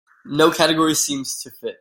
No category seems to fit.